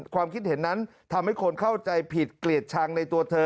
ความคิดเห็นนั้นทำให้คนเข้าใจผิดเกลียดชังในตัวเธอ